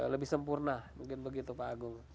lebih sempurna mungkin begitu pak agung